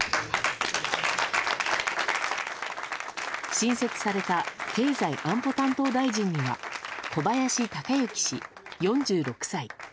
新設された経済安保担当大臣には小林鷹之氏、４６歳。